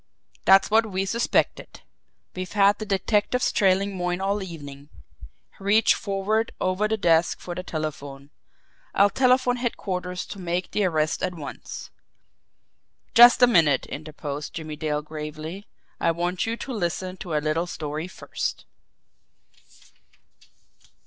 That's what we suspected. We've had the detectives trailing Moyne all evening." He reached forward over the desk for the telephone. "I'll telephone headquarters to make the arrest at once." "Just a minute," interposed Jimmie Dale gravely. "I want you to listen to a little story first."